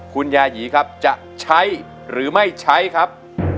คุณยายีครับจะใช้หรือไม่ใช้ครับ